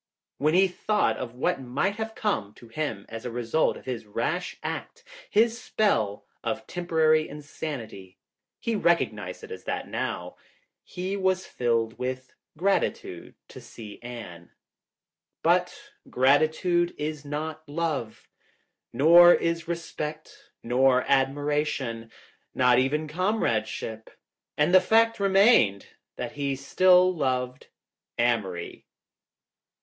When he thought of what might have come to him as the result of his rash, act, his spell of temporary insanity — he recognized it as that now — he was filled with gratitude to Anne. But gratitude is not love. Nor is respect, nor admiration. Nor even comradeship. And the fact remained that he still loved Amory.